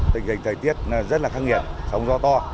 tình hình thời tiết rất là khắc nghiệt sóng gió to